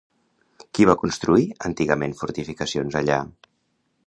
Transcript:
Qui va construir antigament fortificacions allà?